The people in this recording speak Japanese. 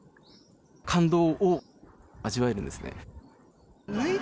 感動を味わえるんですね。